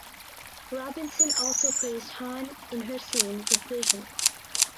Robinson also praised Hahn in her scene with Vision.